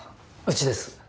うちです。